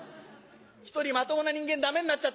一人まともな人間ダメになっちゃった。